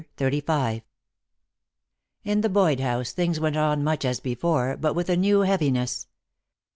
CHAPTER XXXV In the Boyd house things went on much as before, but with a new heaviness.